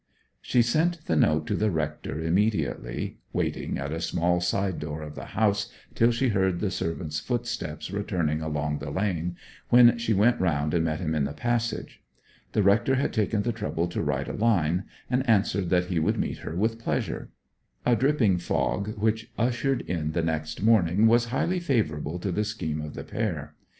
She sent the note to the rector immediately, waiting at a small side door of the house till she heard the servant's footsteps returning along the lane, when she went round and met him in the passage. The rector had taken the trouble to write a line, and answered that he would meet her with pleasure. A dripping fog which ushered in the next morning was highly favourable to the scheme of the pair.